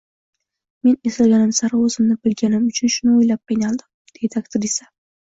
Men eslaganim sari o‘zimni bilganim uchun shuni o‘ylab qiynaldim, — deydi aktrisa